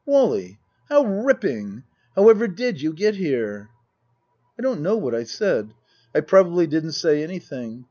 " Wally how ripping ! However did you get here ?" I don't know what I said. I probably didn't say anything.